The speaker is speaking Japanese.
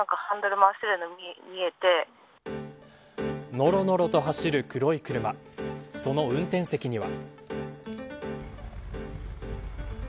のろのろと走る黒い車その運転席には。